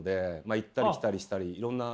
行ったり来たりしたりいろんな。